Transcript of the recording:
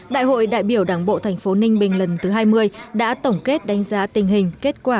đại hội đại biểu đảng bộ thành phố ninh bình lần thứ hai mươi đã tổng kết đánh giá tình hình kết quả